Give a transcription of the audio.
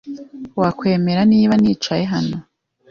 Wakwemera niba nicaye hano?